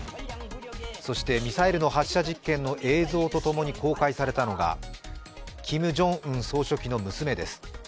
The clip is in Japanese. そしてミサイルの発射実験の映像とともに公開されたのがキム・ジョンウン総書記の娘です。